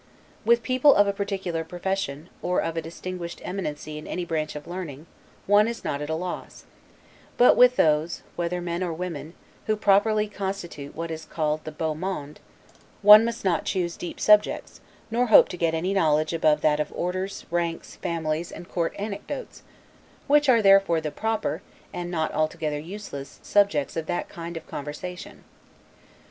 With people of a particular profession, or of a distinguished eminency in any branch of learning, one is not at a loss; but with those, whether men or women, who properly constitute what is called the beau monde, one must not choose deep subjects, nor hope to get any knowledge above that of orders, ranks, families, and court anecdotes; which are therefore the proper (and not altogether useless) subjects of that kind of conversation.